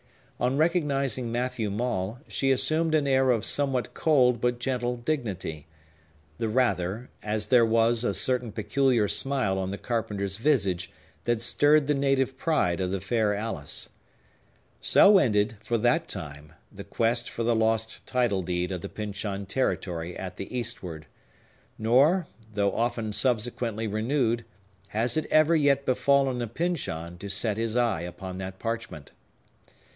On recognizing Matthew Maule, she assumed an air of somewhat cold but gentle dignity, the rather, as there was a certain peculiar smile on the carpenter's visage that stirred the native pride of the fair Alice. So ended, for that time, the quest for the lost title deed of the Pyncheon territory at the Eastward; nor, though often subsequently renewed, has it ever yet befallen a Pyncheon to set his eye upon that parchment.